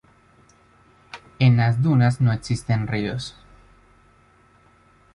En las dunas no existen ríos.